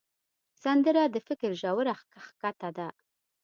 سندره د فکر ژوره ښکته ده